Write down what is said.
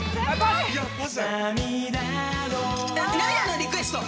涙の「涙のリクエスト」